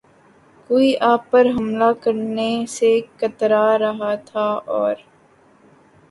کوئی آپ پر حملہ کرنے سے کترا رہا تھا اور